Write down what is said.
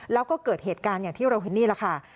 แล้วก็เกิดเหตุการณ์อย่างที่เราเห็นนี่แหละค่ะ